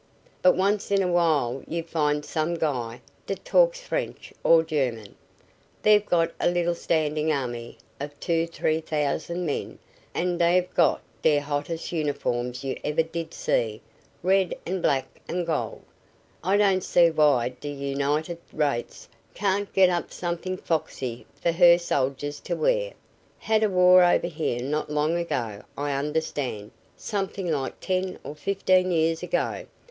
But once in a while you find some guy dat talks French or German. Dey've got a little standin' army of two t'ree t'ousand men an' dey've got de hottest uniforms you ever did see red an' black an' gold. I don't see why d' United Rates can't get up somethin' foxy fer her soldiers to wear. Had a war over here not long ago, I understand somethin' like ten or fifteen years ago.